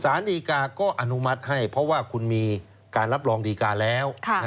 สารดีกาก็อนุมัติให้เพราะว่าคุณมีการรับรองดีการแล้ว